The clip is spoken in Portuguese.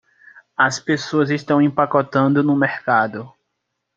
As pessoas estão empacotando no mercado.